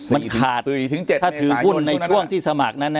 มันขาดถ้าถือหุ้นในช่วงที่สมัครนั้น